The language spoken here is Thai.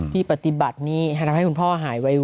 ที่ปฏิบัตินี้ทำให้คุณพ่อหายไว